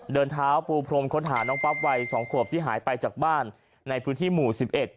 เดินเท้าปูพรมค้นหาน้องปั๊บวัยสองขวบที่หายไปจากบ้านในพื้นที่หมู่๑๑